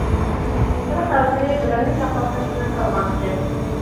بىر قەۋىتىنى بىلەنمە چاقماق تاش بىلەن سالغانىكەن.